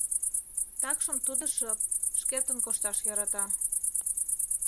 Такшым тудо шып, шкетын кошташ йӧрата.